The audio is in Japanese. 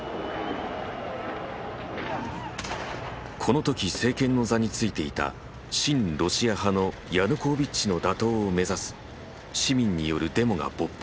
このとき政権の座に就いていた親ロシア派のヤヌコービッチの打倒を目指す市民によるデモが勃発。